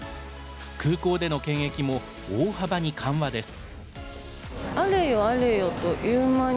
空港での検疫も大幅に緩和です。